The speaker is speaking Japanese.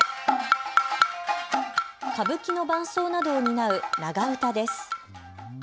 歌舞伎の伴奏などを担う長唄です。